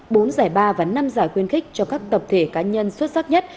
bốn giải ba và năm giải khuyên khích cho các tập thể cá nhân xuất sắc nhất